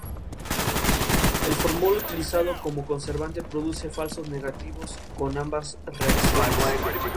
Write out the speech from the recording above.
Desde entonces, fue reemplazado por Adrián Álvarez.